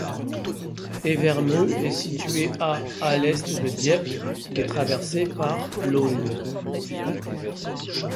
Envermeu est située à à l'est de Dieppe, et traversée par l'Eaulne.